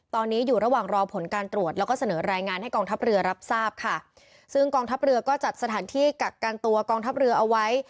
ตอนนี้อยู่ระหว่างรอผลการตรวจแล้วก็เสนอรายงานให้กองทัพเรือรับทราบค่ะซึ่งกองทัพเรือก็จัดสถานที่กักกันตัวกองทัพเรือเอาไว้